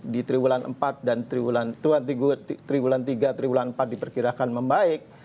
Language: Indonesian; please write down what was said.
di triwulan empat dan triwulan tiga triwulan empat diperkirakan membaik